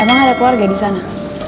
emang ada keluarga di sana